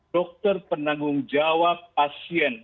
dokter penanggung jawab pasien